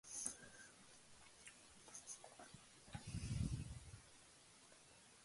Therefore, contextual understanding of human action is intrinsic to valid social research.